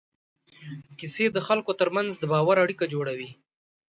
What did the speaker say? کیسې د خلکو تر منځ د باور اړیکه جوړوي.